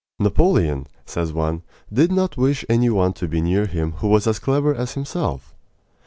"Napoleon," says one, "did not wish any one to be near him who was as clever as himself."